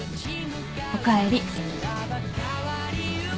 おかえり。